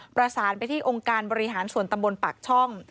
ประสานไปที่องค์การบริหารส่วนตำบลปากช่อง